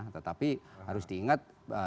tetapi harus diingat